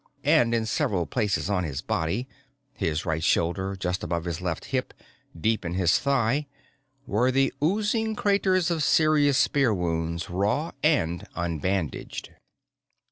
And in several places on his body, his right shoulder, just above his left hip, deep in his thigh, were the oozing craters of serious spear wounds, raw and unbandaged.